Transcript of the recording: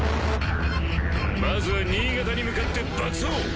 まずはニイガタに向かって爆走！